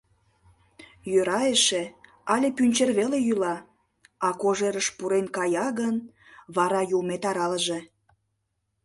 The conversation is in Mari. Йӧра эше, але пӱнчер веле йӱла, а кожерыш пурен кая гын, вара юмет аралыже...